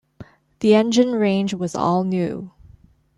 The engine range was all-new.